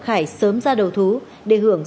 khải sớm ra đầu thú để hưởng